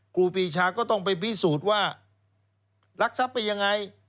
ครูปีชาก็ต้องไปพิสูจน์ว่ารักทรัพย์ไปยังไง